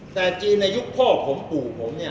แต่จีนในยุคพ่อผมปู่ผมเนี่ย